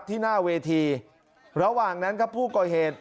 หน้าเวทีระหว่างนั้นครับผู้ก่อเหตุ